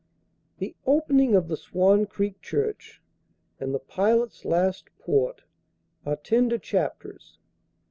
The "Opening of the Swan Creek Church," and "The Pilot's Last Port," are tender chapters.